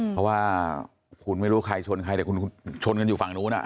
เพราะว่าคุณไม่รู้ใครชนใครแต่คุณชนกันอยู่ฝั่งนู้น